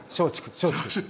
松竹。